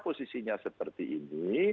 posisinya seperti ini